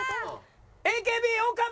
ＡＫＢ岡部！